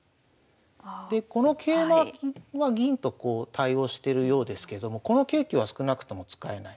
でこの桂馬は銀とこう対応してるようですけどもこの桂香は少なくとも使えない。